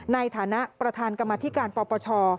ในฐานะประธานกรรมธิการปปช